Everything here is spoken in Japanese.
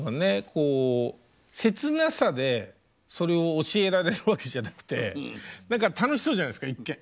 こう切なさでそれを教えられるわけじゃなくて何か楽しそうじゃないですか一見。